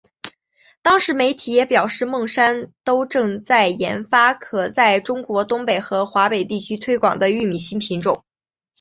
当时媒体也表示孟山都正在研发可在中国东北和华北地区推广的玉米新品种。